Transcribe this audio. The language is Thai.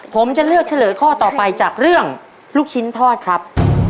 ผมจะเลือกเฉลยข้อต่อไปจากเรื่องลูกชิ้นทอดครับ